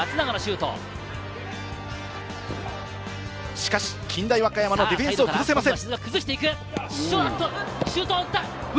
しかし近大和歌山のディフェンスを崩せません。